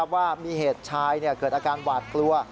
ว่ามีเหตุชายเกิดอาการหวาดกลัว